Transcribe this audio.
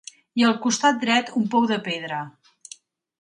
I al costat dret un pou de pedra.